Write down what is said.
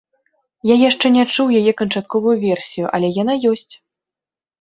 Я яшчэ не чуў яе канчатковую версію, але яна ёсць!